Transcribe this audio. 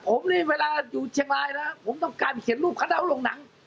ผมนี่เวลาอยู่เชียงมายนะครับผมต้องการเขียนรูปพระเจ้าลงหนัง